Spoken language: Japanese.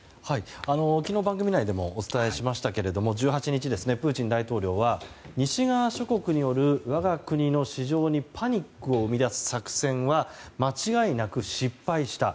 昨日、番組内でもお伝えしましたけれども１８日、プーチン大統領は西側諸国による我が国の市場にパニックを生み出す作戦は間違いなく失敗した。